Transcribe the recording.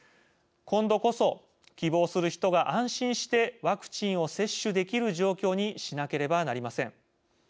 今度こそ、希望する人が安心してワクチンを接種できる状況にしなければなりません。